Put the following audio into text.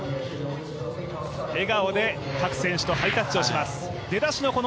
笑顔で各選手とハイタッチをします。